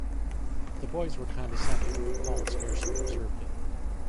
The boys were condescending, but Paul scarcely observed it.